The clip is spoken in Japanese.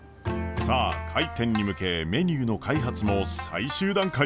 さあ開店に向けメニューの開発も最終段階。